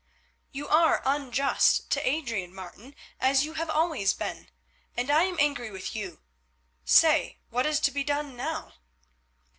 "You are unjust to Adrian, Martin, as you always have been, and I am angry with you. Say, what is to be done now?"